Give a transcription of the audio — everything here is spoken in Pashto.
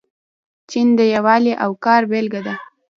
چین د یووالي او کار بیلګه ده.